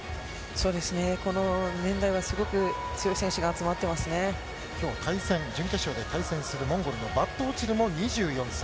この年代はすごく強い選手がきょう対戦、準決勝で対戦するモンゴルのバットオチルも２４歳。